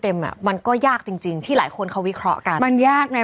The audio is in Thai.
อ่ะมันก็ยากจริงจริงที่หลายคนเขาวิเคราะห์กันมันยากใน